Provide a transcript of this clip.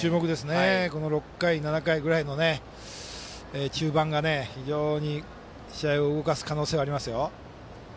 この６回、７回ぐらいの中盤が試合を動かす可能性がありますよ。